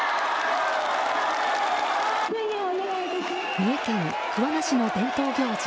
三重県桑名市の伝統行事